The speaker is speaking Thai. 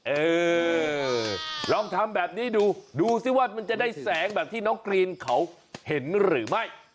เออลองทำแบบนี้ดูดูสิว่ามันจะได้แสงแบบที่น้องกรีนเขาเห็นหรือไม่